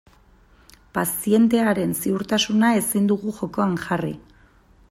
Pazientearen ziurtasuna ezin dugu jokoan jarri.